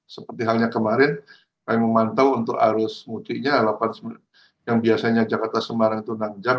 seperti halnya kemarin kami memantau untuk arus mudiknya yang biasanya jakarta semarang itu enam jam